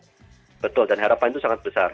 betul dan harapan itu sangat besar